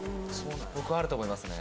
僕はあると思いますね